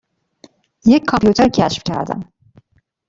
یک کامپیوتر کشف کردم.